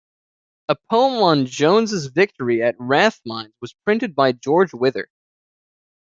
A poem on Jones's victory at Rathmines was printed by George Wither.